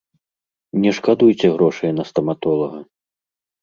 Не шкадуйце грошай на стаматолага!